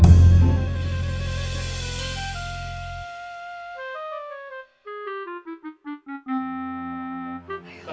tidak pak gigi